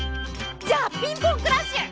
じゃあピンポンクラッシュ！